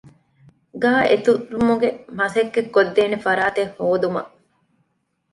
ގާއެތުރުމުގެ މަސައްކަތްކޮށްދޭނެ ފަރާތެއް ހޯދުމަށް